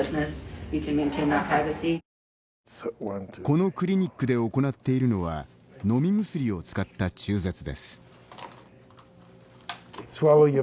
このクリニックで行っているのは飲み薬を使った中絶です。